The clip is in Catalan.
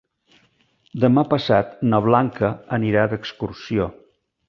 Demà passat na Blanca anirà d'excursió.